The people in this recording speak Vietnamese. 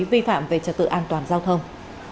vi phạm về trật tự an toàn giao thông